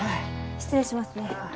失礼しますね。